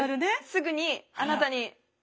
すぐにあなたに。